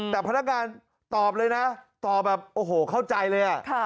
แต่พนักงานตอบเลยนะตอบแบบโอ้โหเข้าใจเลย